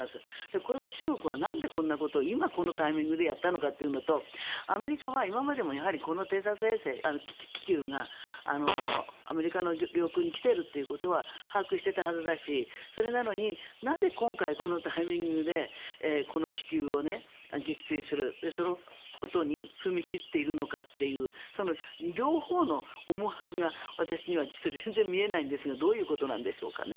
これは中国はなんでこんなことを今このタイミングでやったのかというのとアメリカは今までもこの偵察気球がアメリカの領空に来ているということは把握していたはずだしそれなのになぜ今回、このタイミングでこの気球を撃墜するそのことに踏み切っているのかという両方の思惑が私には全然見えないんですがどういうことなんでしょうかね。